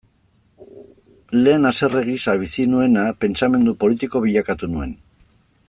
Lehen haserre gisa bizi nuena, pentsamendu politiko bilakatu nuen.